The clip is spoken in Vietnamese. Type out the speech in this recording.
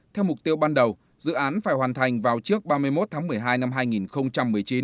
theo mục tiêu ban đầu dự án phải hoàn thành vào trước ba mươi một tháng một mươi hai năm hai nghìn một mươi chín